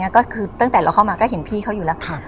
ก็คือตั้งแต่เราเข้ามาก็เห็นพี่เขาอยู่แล้ว